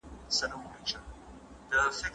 ته ولې دومره ناوخته له پټي نه کور ته راغلې؟